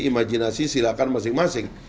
imajinasi silahkan masing masing